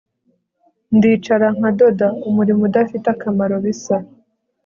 ndicara nkadoda - umurimo udafite akamaro bisa